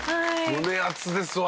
胸熱ですわ。